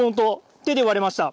手で割れました。